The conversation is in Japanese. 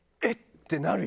ってなるよ